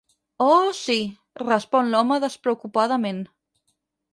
Oh, sí —respon l'home despreocupadament.